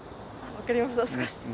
わかりました少しだけ。